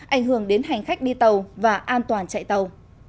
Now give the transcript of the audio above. ảnh hưởng đến hành khách đi tàu và an toàn chạy tàu